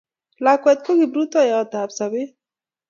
Lakwet ko kiprutaiyot ab sobet